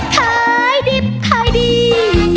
ใครดิบใครดี